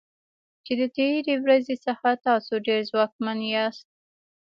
چې د تیرې ورځې څخه تاسو ډیر ځواکمن یاست.